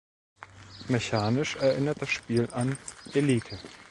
Mechanisch erinnert das Spiel an Elite.